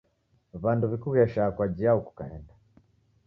W'andu w'ikughesha kwa jiao kukaenda?